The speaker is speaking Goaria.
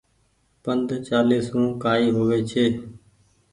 پند چآلي سون ڪآئي هووي ڇي۔